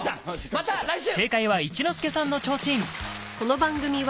また来週！